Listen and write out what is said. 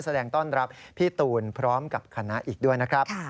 แสดงต้อนรับพี่ตูนพร้อมกับคณะอีกด้วยนะครับ